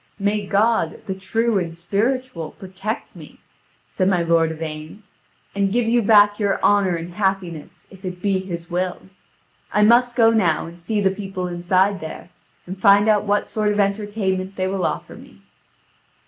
"May God, the true and spiritual, protect me," said my lord Yvain, "and give you back your honour and happiness, if it be His will. I must go now and see the people inside there, and find out what sort of entertainment they will offer me."